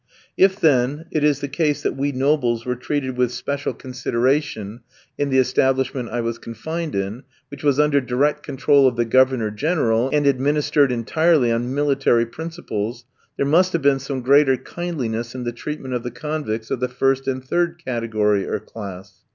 If, then, it is the case that we nobles were treated with special consideration in the establishment I was confined in, which was under direct control of the Governor General, and administered entirely on military principles, there must have been some greater kindliness in the treatment of the convicts of the first and third category or class.